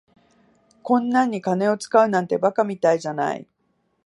こんなんに金使うなんて馬鹿みたいじゃない。